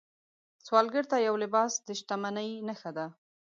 سوالګر ته یو لباس د شتمنۍ نښه ده